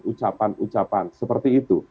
ucapan ucapan seperti itu